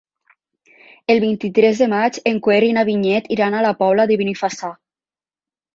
El vint-i-tres de maig en Quer i na Vinyet iran a la Pobla de Benifassà.